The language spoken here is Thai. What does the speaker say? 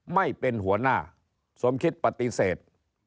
ไม่เป็นหัวหน้าสมคิดปฏิเสธ